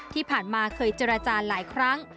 ที่ผ่านมาเคยเจรจาหลายครั้ง